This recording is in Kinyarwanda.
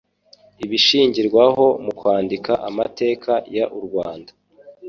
ibishingirwaho mu kwandika amateka y u rwanda